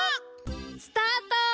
スタート！